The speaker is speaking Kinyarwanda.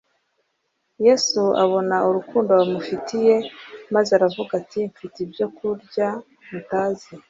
Yesu abona urukundo bamufitiye, maze aravuga ati, “Mfite ibyo kurya mutazi.”